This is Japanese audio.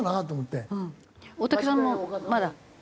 大竹さんもまだ？